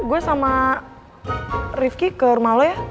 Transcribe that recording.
gue sama rifki ke rumah lo ya